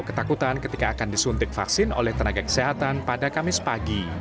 ketakutan ketika akan disuntik vaksin oleh tenaga kesehatan pada kamis pagi